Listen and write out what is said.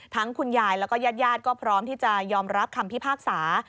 คุณยายแล้วก็ญาติก็พร้อมที่จะยอมรับคำพิพากษา